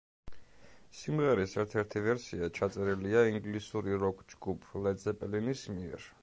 სიმღერის ერთ-ერთი ვერსია ჩაწერილია ინგლისური როკ-ჯგუფ ლედ ზეპელინის მიერ.